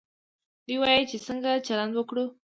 دوی وايي چې څنګه چلند وکړو.